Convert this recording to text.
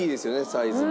サイズも。